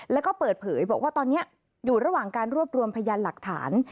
แล้วก็เปิดเผยบอกว่าตอนนี้อยู่ระหว่างการรวบรวมพยานหลักฐาน